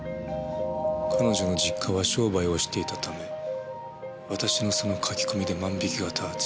「彼女の実家は商売をしていたため私のその書き込みで万引きが多発しました」